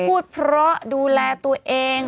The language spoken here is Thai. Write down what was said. พูดเพราะดูแลตัวเอง